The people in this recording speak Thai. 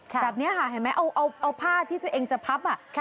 แบบนี้ค่ะเห็นไหมเอาผ้าที่เธอยังหลบอะ